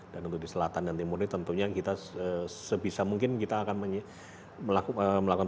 dan untuk di selatan dan timur ini tentunya kita sebisa mungkin kita akan melakukan pembangunan ini adalah di tanah